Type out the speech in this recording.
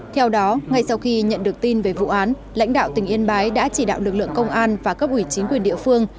theo đó ngay sau khi nhận được tin về vụ án lãnh đạo tỉnh yên bái đã chỉ đạo lực lượng công an và cấp ủy chính quyền địa phương